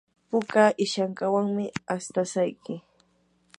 puka ishankawanmi astashayki.